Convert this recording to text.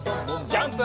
ジャンプ！